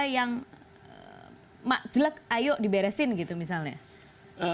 ada yang mak jelek ayo diberesin gitu misalnya